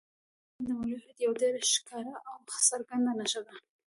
کلتور د افغانستان د ملي هویت یوه ډېره ښکاره او څرګنده نښه ده.